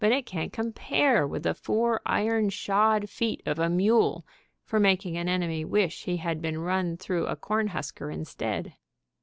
it can't compare with the four iron shod feet of a mule for making an enemy wish he had been run through a corn husker instead.